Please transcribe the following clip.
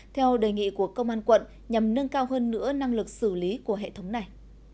theo đề nghị của công an quận nhằm nâng cao hơn nữa năng lực xử lý của hệ thống này